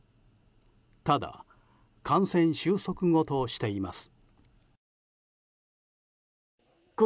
ただ、感染収束後としています。